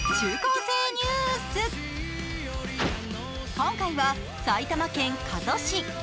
今回は埼玉県加須市。